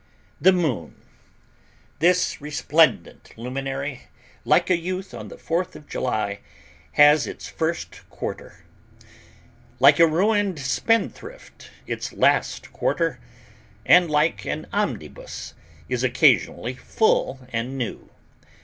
THE MOON This resplendent luminary, like a youth on the Fourth of July, has its first quarter; like a ruined spendthrift its last quarter, and like an omnibus, is occasionally full and new.